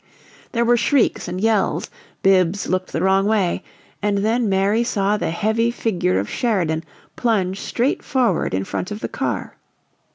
There were shrieks and yells; Bibbs looked the wrong way and then Mary saw the heavy figure of Sheridan plunge straight forward in front of the car.